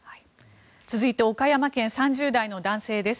続いて岡山県３０代の男性です。